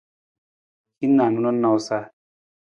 Hin niinu na nawusa.